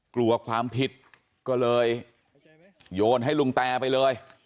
กลัวความผิดก็เลยโยนให้ลุงแตไปเลย